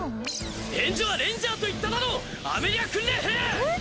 返事はレンジャーと言っただろうアメリア訓練兵！